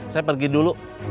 saya pergi dulu